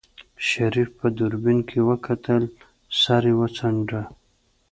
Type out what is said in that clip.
شريف په دوربين کې وکتل سر يې وڅنډه.